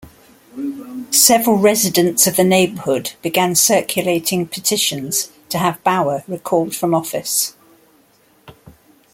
Several residents of the neighborhood began circulating petitions to have Bauer recalled from office.